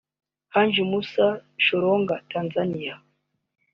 Haji Mussa Chilonga (Tanzaniya)